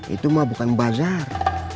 itu mah bukan bazar